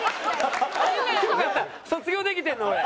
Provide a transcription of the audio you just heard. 卒業できてるの？